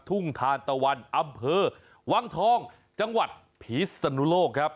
ทุ่งทานตะวันอำเภอวังทองจังหวัดพิศนุโลกครับ